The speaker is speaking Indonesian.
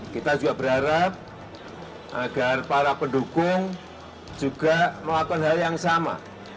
kita juga berharap agar para pendukung juga melakukan hal yang sama